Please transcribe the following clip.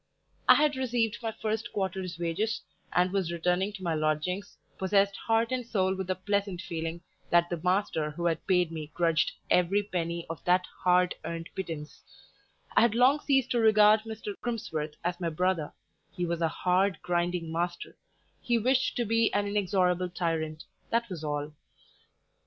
I had received my first quarter's wages, and was returning to my lodgings, possessed heart and soul with the pleasant feeling that the master who had paid me grudged every penny of that hard earned pittance (I had long ceased to regard Mr. Crimsworth as my brother he was a hard, grinding master; he wished to be an inexorable tyrant: that was all).